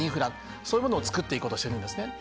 そういうものを作っていこうとしてるんですね。